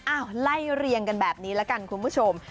ไล่เรียงกันแบบนี้ละกันคุณผู้ชม